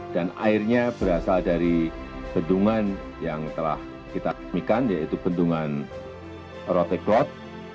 dan airnya berasal dari bendungan yang telah kita tanamikan yaitu bendungan roteglot